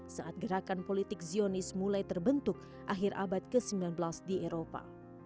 saat gerakan politik zionis mulai terbentuk akhir abad ke sembilan belas di eropa